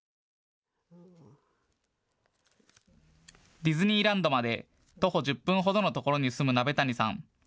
ディズニーランドまで徒歩１０分ほどのところに住む鍋谷さん。